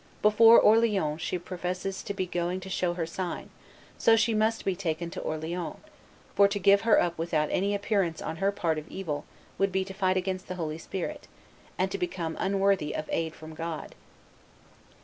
Before Orleans she professes to be going to show her sign; so she must be taken to Orleans, for to give her up without any appearance on her part of evil would be to fight against the Holy Spirit, and to become unworthy of aid from God."